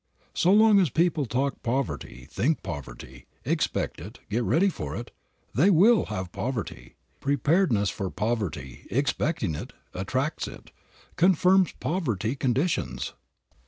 So long as people talk poverty, think poverty, expect it, get ready for it, they will have poverty. Preparedness for poverty, expecting it, attracts it, confirms poverty conditions.